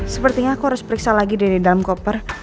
sepertinya aku harus periksa lagi dari dalam koper